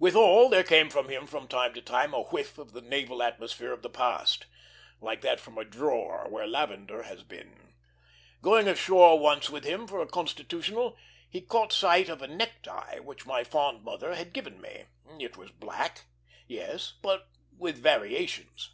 Withal, there came from him from time to time a whiff of the naval atmosphere of the past, like that from a drawer where lavender has been. Going ashore once with him for a constitutional, he caught sight of a necktie which my fond mother had given me. It was black, yes; but with variations.